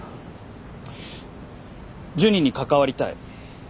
ジュニに関わりたい。